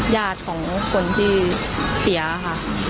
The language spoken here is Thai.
ญาติของคนที่เสียค่ะ